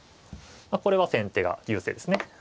これは先手が優勢ですね。